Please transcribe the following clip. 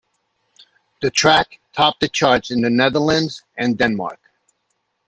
The track topped the charts in the Netherlands and Denmark.